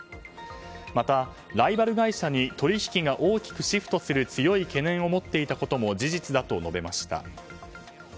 また、ライバル会社に取引が大きくシフトする強い懸念を持っていたことも事実だと述べました。